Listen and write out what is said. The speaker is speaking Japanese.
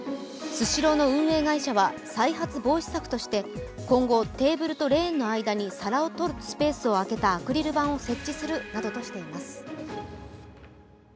スシローの運営会社は再発防止策として今後テーブルとレーンの間に皿を取るスペースをあけたアクリル板を設置するなどとしています。